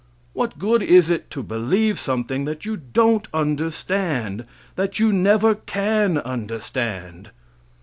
What good is it to believe something that you don't understand that you never can understand?